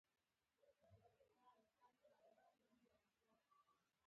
نوره غوښه یې را واخیسته او وړه وړه یې کړه.